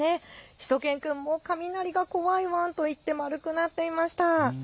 しゅと犬くんも雷が怖いワンと言って丸くなっていました。